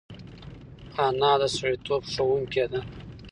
انا د سړیتوب ښوونکې ده